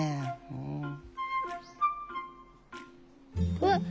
うわっ！